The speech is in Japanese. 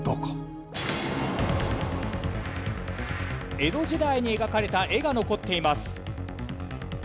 江戸時代に描かれた絵が残っています。